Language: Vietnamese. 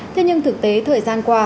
thế nhưng thực tế thời gian qua